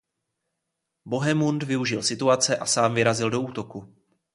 Bohemund využil situace a sám vyrazil do útoku.